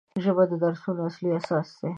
ژبه د درسونو اصلي اساس دی